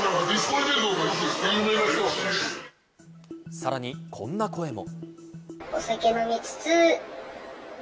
さらにこんな声も。